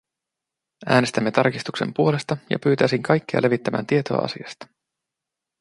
Äänestämme tarkistuksen puolesta, ja pyytäisin kaikkia levittämään tietoa asiasta.